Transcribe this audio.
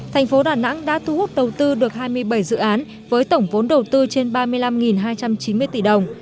thành phố đà nẵng đã thu hút đầu tư được hai mươi bảy dự án với tổng vốn đầu tư trên ba mươi năm hai trăm chín mươi tỷ đồng